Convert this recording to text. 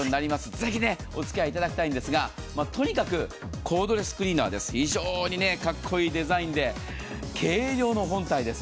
ぜひおつきあい頂きたいんですが、とにかくコードレスクリーナー非常にかっこいいデザインで軽量の本体です。